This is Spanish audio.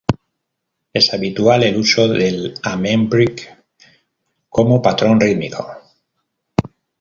Es habitual el uso del amen break como patrón rítmico.